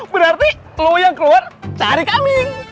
berarti telur yang keluar cari kambing